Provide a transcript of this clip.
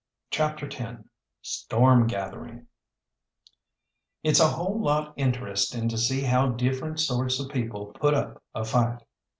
CHAPTER X STORM GATHERING It's a whole lot interesting to see how different sorts of people put up a fight.